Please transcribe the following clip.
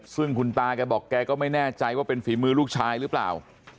ซึ่งคุณตาแกบอกแกก็ไม่แน่ใจว่าเป็นฝีมือลูกชายหรือเปล่า